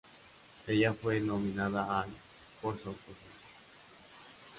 Ella fue nominada al por su actuación.